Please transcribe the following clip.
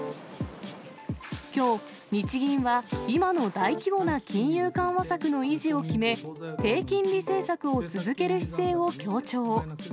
きょう、日銀は今の大規模な金融緩和策の維持を決め、低金利政策を続ける姿勢を強調。